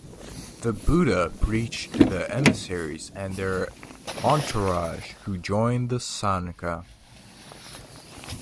The Buddha preached to the emissaries and their entourage, who joined the "Sangha".